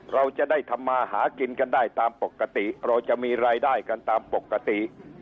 เราจะได้ทำมาหากินกันได้ตามปกติเราจะมีรายได้กันตามปกติ